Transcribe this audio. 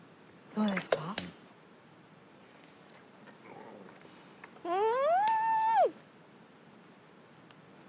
うん！